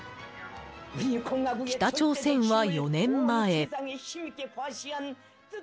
北朝鮮は４年前。